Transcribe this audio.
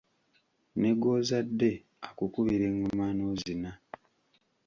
Ne gw’ozadde akukubira engoma n’ozina.